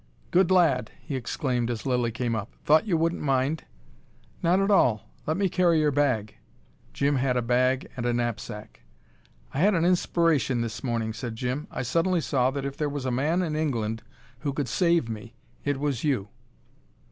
"Good lad!" he exclaimed, as Lilly came up. "Thought you wouldn't mind." "Not at all. Let me carry your bag." Jim had a bag and a knapsack. "I had an inspiration this morning," said Jim. "I suddenly saw that if there was a man in England who could save me, it was you."